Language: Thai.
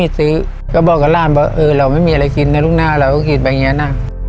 ไม่มีซื้อก็บอกกับร้านว่าเราไม่มีอะไรกินแต่ลูกหน้าเราก็กินไปอย่างเงี้ยหน้า